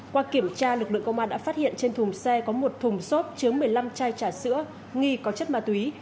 qua kiểm tra lực lượng công an đã phát hiện trên thùng xe có một thùng xốp chứa một mươi năm chai trà sữa nghi có chất ma túy